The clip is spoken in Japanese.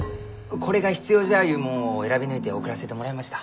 これが必要じゃゆうもんを選び抜いて送らせてもらいました。